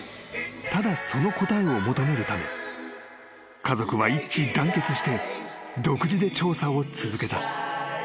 ［ただその答えを求めるため家族は一致団結して独自で調査を続けた］